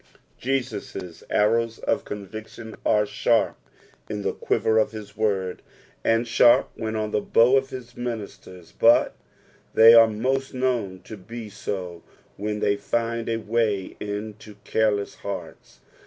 Jesus' artows of conviction are ■sharp in the quiver of his word, and sharp when on the bow of his ministers, but they are most known to be so when they find a way into careless hearts.